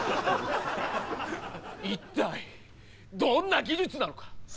一体どんな技術なのか？